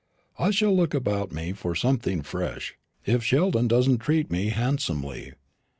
I shall look about me for something fresh, if Sheldon doesn't treat me handsomely.